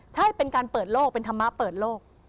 ใช่เป็นการเปิดโลกเป็นธรรมะเปิดโลก